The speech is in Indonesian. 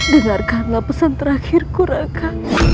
dengarkanlah pesan terakhirku raka